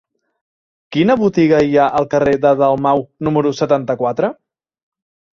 Quina botiga hi ha al carrer de Dalmau número setanta-quatre?